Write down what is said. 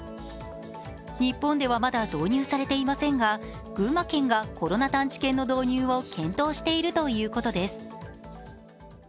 日本ではまだ導入されていませんが群馬県がコロナ探知犬の導入を検討しているということです。